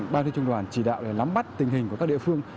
ban thái niên đông thôn chỉ đạo để lắm bắt tình hình của các địa phương